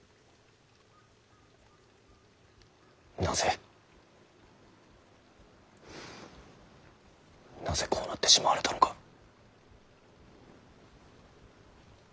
なぜなぜこうなってしまわれたのか。